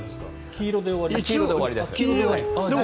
黄色で終わりです。